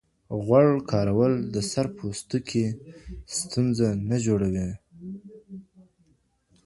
غوړ کارول د سر پوستکي ستونزه نه جوړوي.